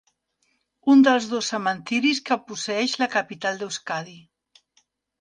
Un dels dos cementiris que posseeix la capital d'Euskadi.